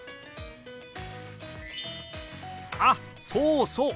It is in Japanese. あっそうそう！